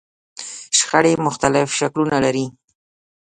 شخړې مختلف شکلونه لري.